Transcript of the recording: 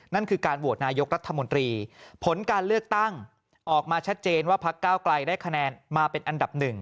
นั่นคือการโหวตนายกรัฐมนตรีผลการเลือกตั้งออกมาชัดเจนว่าพักเก้าไกลได้คะแนนมาเป็นอันดับหนึ่ง